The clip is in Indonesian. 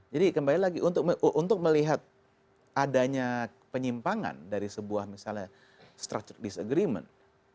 jadi kembali lagi untuk melihat adanya penyimpangan dari sebuah misalnya structure disagreement